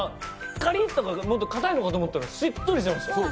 カリッて、もっとかたいのかと思ったらしっとりしてますね。